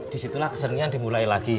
disitulah kesenian dimulai lagi